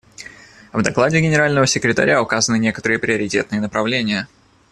В докладе Генерального секретаря указаны некоторые приоритетные направления.